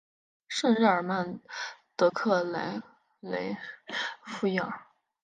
圣日尔曼德克莱雷弗伊尔。